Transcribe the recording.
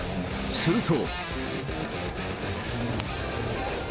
すると。